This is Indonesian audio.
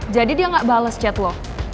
jadi dia gak bales chat lo